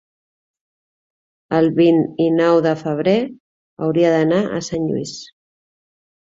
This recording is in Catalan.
El vint-i-nou de febrer hauria d'anar a Sant Lluís.